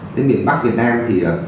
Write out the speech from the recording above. thế miền bắc việt nam thì